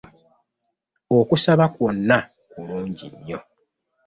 Okusaba kwonna kulungi nnyo.